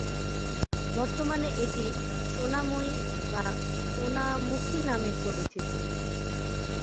বর্তমানে এটি সোনামুই/সোনামুখী নামে পরিচিত।